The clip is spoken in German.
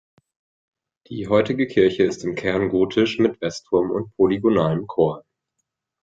Die heutige Kirche ist im Kern gotisch mit Westturm und polygonalem Chor.